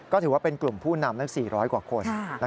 ก็ถือว่าเป็นกลุ่มผู้นำ๔๐๐กว่าคน